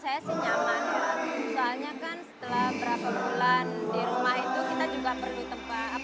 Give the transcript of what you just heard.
soalnya kan setelah berapa bulan di rumah itu kita juga perlu tempat untuk refreshing gitu